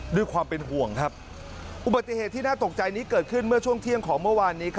ด้วยความเป็นห่วงครับอุบัติเหตุที่น่าตกใจนี้เกิดขึ้นเมื่อช่วงเที่ยงของเมื่อวานนี้